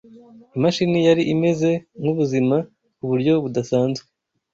Imashini yari imeze nkubuzima kuburyo budasanzwe.